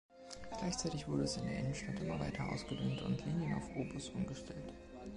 Gleichzeitig wurde es in der Innenstadt immer weiter ausgedünnt und Linien auf O-Bus umgestellt.